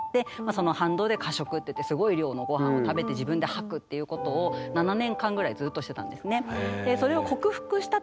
その反動で過食っていってすごい量のごはんを食べて自分で吐くっていうことを７年間ぐらいずっとしてたんですね。